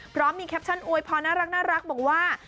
พร้อมมีแคปชั่นอวยพรน่ารักบอกว่า